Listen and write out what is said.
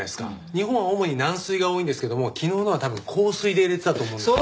日本は主に軟水が多いんですけども昨日のは多分硬水で入れてたと思うんですよ。